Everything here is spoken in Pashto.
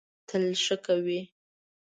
تل ښه کوی.